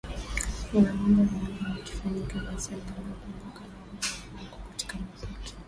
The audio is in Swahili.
Kuna mambo mawili yakifanyika basi angalau kumbukumbu ya wale wakongwe katika muziki watadumishwa